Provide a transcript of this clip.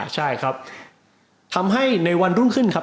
ใช่ครับทำให้ในวันรุ่งขึ้นครับ